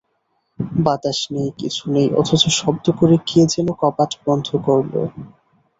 বাতাস নেই, কিছু নেই, অথচ শব্দ করে কে যেন কপাট বন্ধ করল।